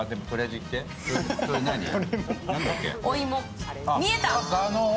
お芋、見えた！